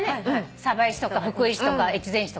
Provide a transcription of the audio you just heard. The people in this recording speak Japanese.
鯖江市とか福井市とか越前市とか。